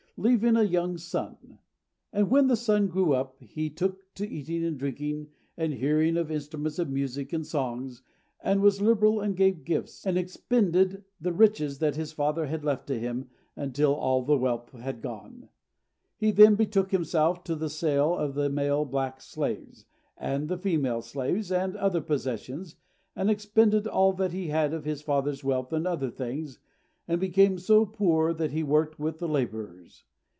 leaving a young son. And when the son grew up, he took to eating and drinking, and the hearing of instruments of music and songs, and was liberal and gave gifts, and expended the riches that his father had left to him until all the wealth had gone. He then betook himself to the sale of the male black slaves, and the female slaves, and other possessions, and expended all that he had of his father's wealth and other things, and became so poor that he worked with the labourers.